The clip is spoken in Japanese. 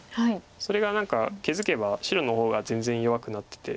それが何か気付けば白の方が全然弱くなってて。